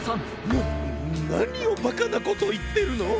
ななにをバカなこといってるの！